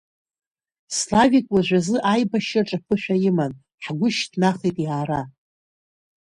Славик уажәазы аибашьраҿ аԥышәа иман, ҳгәы шьҭнахит иаара.